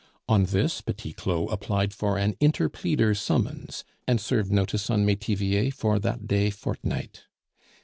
On this Petit Claud applied for an interpleader summons, and served notice on Metivier for that day fortnight.